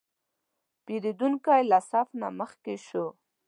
پیرودونکی له صف نه مخکې شو.